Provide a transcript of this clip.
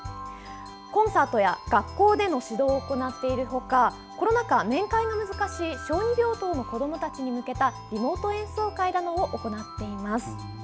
コンサートや学校での指導を行っているほかコロナ禍、面会が難しい小児病棟の子どもたちに向けたリモート演奏会なども行っています。